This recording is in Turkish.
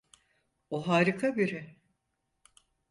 O harika biri.